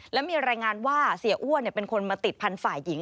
และมีรายงานว่าเสียอ้วนเป็นคนมาติดพันธุ์ฝ่ายหญิง